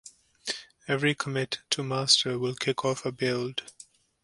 Every commit to master will kick off a build.